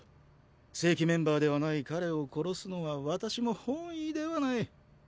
正規メンバーではない彼を殺すのは私も本意ではない。